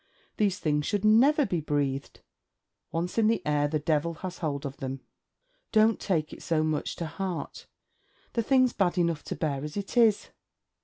These things should never be breathed. Once in the air, the devil has hold of them. Don't take it so much to heart. The thing's bad enough to bear as it is.